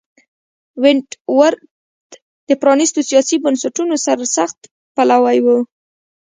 ونټ ورت د پرانیستو سیاسي بنسټونو سرسخت پلوی و.